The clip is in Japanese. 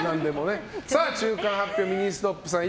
中間発表はミニストップさん